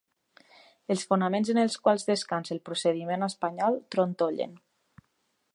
Els fonaments en els quals descansa del procediment espanyol trontollen.